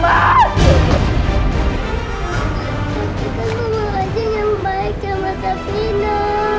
papa kita cuma mau aja yang baik sama sabrina